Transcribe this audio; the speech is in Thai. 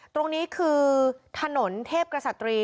ตรงนี้คือถนนเทพกษัตรี